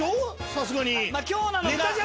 さすがに。